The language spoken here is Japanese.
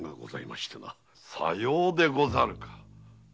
さようでござるか。